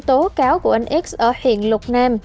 tố cáo của anh x ở huyện lục nam